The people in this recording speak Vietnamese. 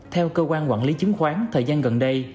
theo cơ quan quản lý chứng khoán thời gian gần đây